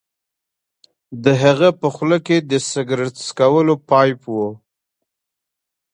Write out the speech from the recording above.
د هغه په خوله کې د سګرټ څکولو پایپ و